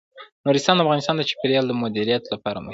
نورستان د افغانستان د چاپیریال د مدیریت لپاره مهم دي.